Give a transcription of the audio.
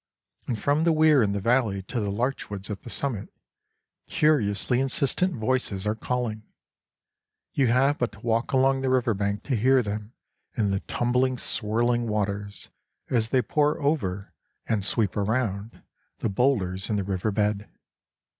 And from the weir in the valley to the larch woods at the summit, curiously insistent voices are calling. You have but to walk along the river bank to hear them in the tumbling, swirling waters as they pour over, and sweep around, the boulders in the river bed.